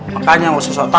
makanya mau susah susah tau ya